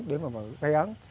để mà gây án